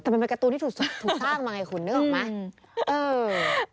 แต่มันเป็นการ์ตูนที่ถูกสร้างมาไงคุณนึกออกไหม